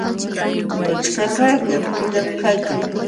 Machkakaq llampullam kaykan.